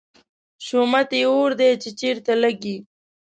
شومت یې اور دی، چې چېرته لګي